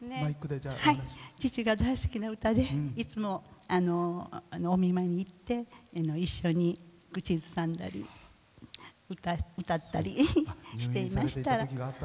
父が大好きな歌でいつもお見舞いに行って一緒に口ずさんだり歌ったりしていました。